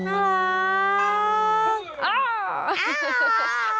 อ้าว